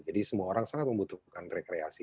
jadi semua orang sangat membutuhkan rekreasi